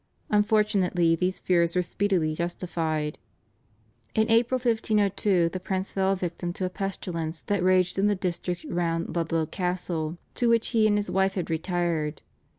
Unfortunately these fears were speedily justified. In April 1502 the Prince fell a victim to a pestilence that raged in the district round Ludlow Castle to which he and his wife had retired.